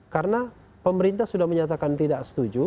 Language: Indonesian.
karena pemerintah sudah menyatakan tidak setuju